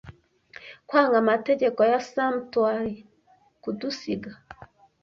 Kwanga amategeko ya sumptuary, kudusiga